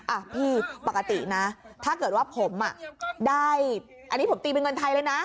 อ่ะพี่ปกตินะถ้าเกิดว่าผมอ่ะได้อันนี้ผมตีเป็นเงินไทยเลยนะ